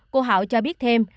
cô hảo cho biết thêm